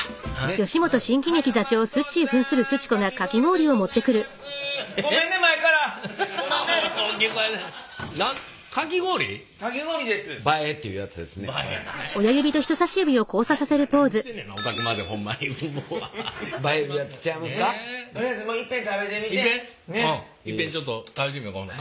おおいっぺんちょっと食べてみよかほんなら。